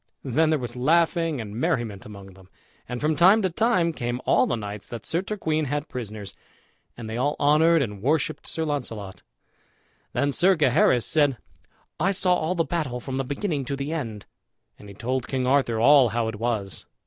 Then there was laughing and merriment among them; and from time to time came all the knights that Sir Turquine had prisoners, and they all honored and worshipped Sir Launcelot. Then Sir Gaheris said, "I saw all the battle from the beginning to the end," and he told King Arthur all how it was.